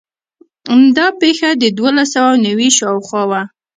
دا پېښه د دولس سوه نوي شاوخوا وه.